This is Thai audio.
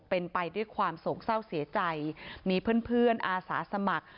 เป็นไปด้วยความโศกเศร้าเสียใจมีเพื่อนอาสาสมัคร